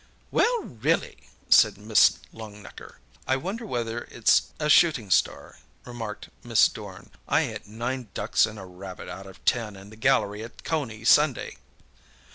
"Well, really!" said Miss Longnecker. "I wonder whether it's a shooting star," remarked Miss Dorn. "I hit nine ducks and a rabbit out of ten in the gallery at Coney Sunday."